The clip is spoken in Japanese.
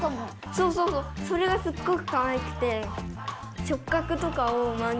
そうそうそうそれがすっごくかわいくて。